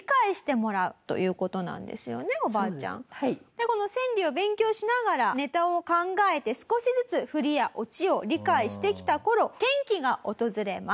でこの川柳を勉強しながらネタを考えて少しずつフリやオチを理解してきた頃転機が訪れます。